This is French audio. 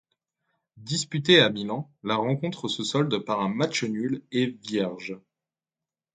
Disputée à Milan, la rencontre se solde par un match nul et vierge.